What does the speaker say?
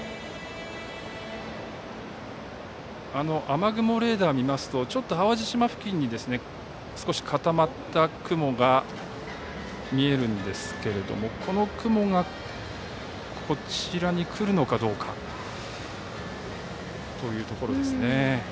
雨雲レーダーを見ますと淡路島付近に少し固まった雲が見えるんですがこの雲が、こちらに来るのかどうかというところです。